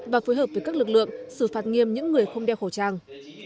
và phối hợp với các lực lượng xử phạt nghiêm những người không đeo khẩu trang